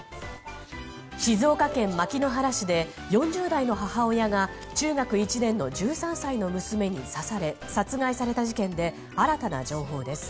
静岡県牧之原市で４０代の母親が中学１年の１３歳の娘に刺され殺害された事件で新たな情報です。